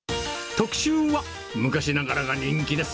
特集は昔ながらが人気です。